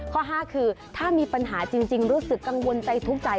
ข้อ๕คือถ้ามีปัญหาจริงรู้สึกกังวลใจทุกข์ใจ